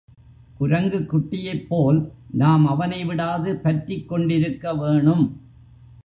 குரங்குக் குட்டியைப் போல் நாம் அவனை விடாது பற்றிக் கொண்டிருக்க வேணும்.